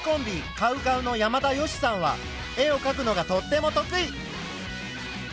ＣＯＷＣＯＷの山田善しさんは絵をかくのがとっても得意。